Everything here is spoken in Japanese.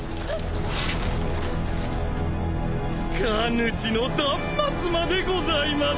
「鍛人の断末魔」でございます。